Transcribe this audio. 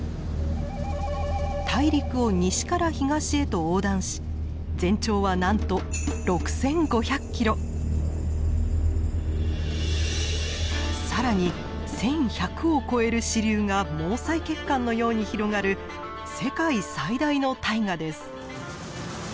大陸を西から東へと横断し全長はなんと更に１，１００を超える支流が毛細血管のように広がる世界最大の大河です。